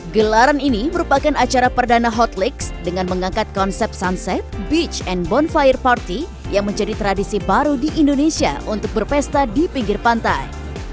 gelaran ini merupakan acara perdana hotlix dengan mengangkat konsep sunset beach and bonfire party yang menjadi tradisi baru di indonesia untuk berpesta di pinggir pantai